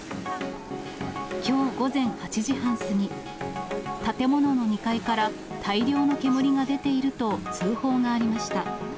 きょう午前８時半過ぎ、建物の２階から大量の煙が出ていると通報がありました。